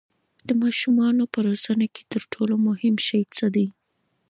د ماشومانو په روزنه کې تر ټولو مهم شی څه دی؟